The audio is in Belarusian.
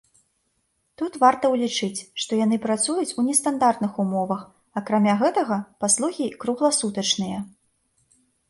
Тут варта ўлічыць, што яны працуюць у нестандартных умовах, акрамя гэтага, паслугі кругласутачныя.